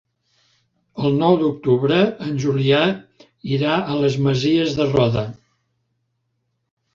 El nou d'octubre en Julià irà a les Masies de Roda.